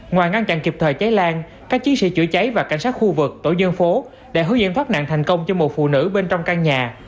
ngoài ngăn chặn kịp thời cháy lan các chiến sĩ chữa cháy và cảnh sát khu vực tổ dân phố đã hướng dẫn thoát nạn thành công cho một phụ nữ bên trong căn nhà